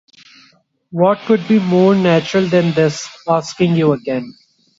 What could be more natural than his asking you again?